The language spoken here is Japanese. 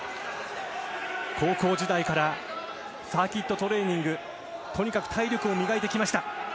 高校時代からサーキットトレーニングでとにかく体力を磨いてきました。